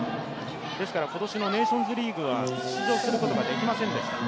ですから今年のネーションズリーグは出場することができませんでした。